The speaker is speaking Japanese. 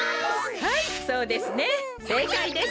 はいそうですねせいかいです。